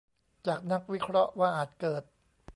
จากนักวิเคราะห์ว่าอาจเกิด